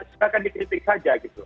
silahkan dikritik saja